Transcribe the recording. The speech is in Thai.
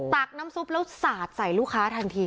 ตักน้ำซุปแล้วสาดใส่ลูกค้าทันที